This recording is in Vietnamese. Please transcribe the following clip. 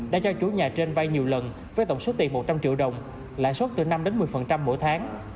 đã cho chủ nhà trên vai nhiều lần với tổng số tiền một trăm linh triệu đồng lại suốt từ năm đến một mươi mỗi tháng